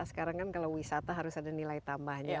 sekarang kan kalau wisata harus ada nilai tambahnya